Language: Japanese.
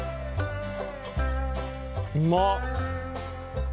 うまっ。